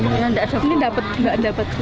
ini nggak dapat kupon